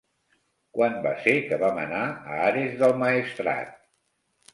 Quan va ser que vam anar a Ares del Maestrat?